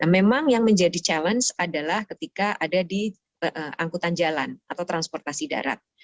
memang yang menjadi challenge adalah ketika ada di angkutan jalan atau transportasi darat